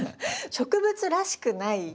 植物らしくない？